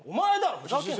ふざけんな。